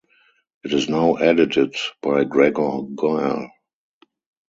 It is now edited by Gregor Gall.